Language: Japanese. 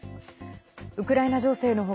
ウクライナ情勢の他